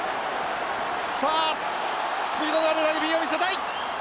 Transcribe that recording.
スピードのあるラグビーを見せたい！